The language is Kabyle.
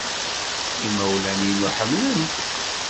Imawlan-inu ḥemmlen-t.